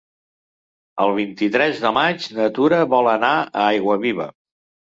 El vint-i-tres de maig na Tura vol anar a Aiguaviva.